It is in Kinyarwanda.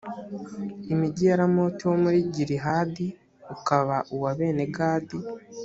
imijyi ya ramoti ho muri gilihadi, ukaba uwa bene gadi;